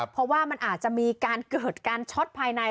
เพราะว่ามันอาจจะมีการเกิดการช็อตภายใน